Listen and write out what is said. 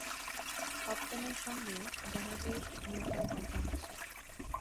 কাপ্তেনের সঙ্গে জাহাজে নৌকায় কথা হচ্ছে।